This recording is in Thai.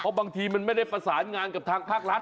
บางทีมันไม่ได้ประสานงานกับทางภาครัฐ